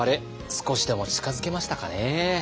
少しでも近づけましたかね。